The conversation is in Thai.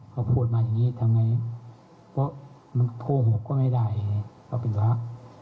เขาพูดมาอย่างนี้ทำไงเพราะมันโกหกก็ไม่ได้ไงเขาเป็นพระ